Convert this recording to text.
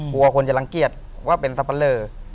กลัวคนจะรังเกียจว่าเป็นสับปะเลอ